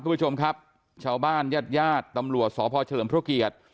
คุณผู้ชมครับชาวบ้านญาติญาติตำรวจสพเฉลิมพระเกียรติ